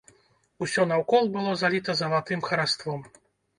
Усё наўкол было заліта залатым хараством.